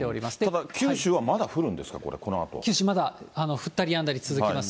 ただ九州はまだ降るんですか、このあと。九州、まだ降ったりやんだり続きます。